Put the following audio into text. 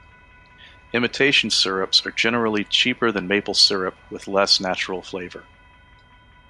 Imitation syrups are generally cheaper than maple syrup, with less natural flavour.